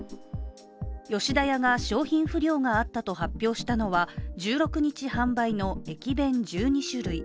吉田屋が商品不良があったと発表したのは１６日販売の駅弁１２種類。